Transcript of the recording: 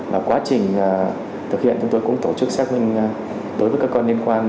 và quá trình thực hiện chúng tôi cũng tổ chức xét minh đối với các con liên quan